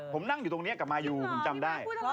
ผมนั่งอยู่ตรงนี้กับมายูคุณจำได้หรอพี่มันพูดอะไร